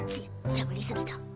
しゃべり過ぎた。